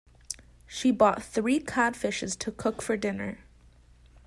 She bought three cod fishes to cook for dinner.